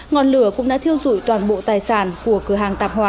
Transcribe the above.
ngọn lửa cũng đã thiêu dụi toàn bộ tài sản của cửa hàng tạp hóa